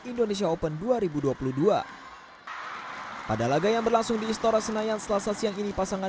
indonesia open dua ribu dua puluh dua pada laga yang berlangsung di istora senayan selasa siang ini pasangan